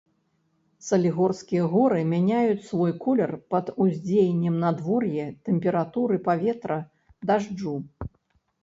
Салігорскія горы мяняюць свой колер пад уздзеяннем надвор'я, тэмпературы паветра, дажджу.